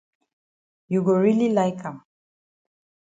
You go really like am